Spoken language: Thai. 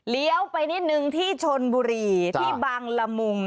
เลี้ยวไปนิดหนึ่งที่ชนบุรีที่บางละมุม